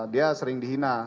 dia sering dihina